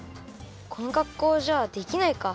このかっこうじゃできないか。